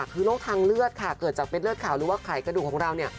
คือโรคทางเลือดเกิดจากเบนเลือดขาวหรือว่าไขกระดูกของเรา